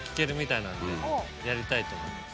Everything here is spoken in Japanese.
やりたいと思います。